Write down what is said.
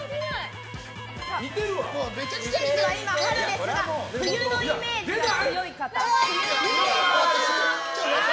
今、春ですが冬のイメージが強い方。